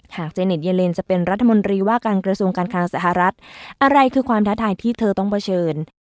หากเจนส์เยอร์เลนน์จะเป็นรัฐมนตรีว่าการกระทรูการคลังสหรัฐอ๋ออะไรคือความท้าไถ่ที่เธอต้องเผชิญ